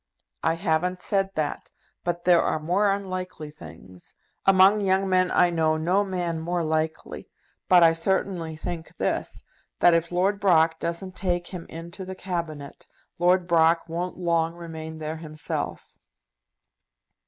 "I haven't said that; but there are more unlikely things. Among young men I know no man more likely. But I certainly think this, that if Lord Brock doesn't take him into the Cabinet, Lord Brock won't long remain there himself."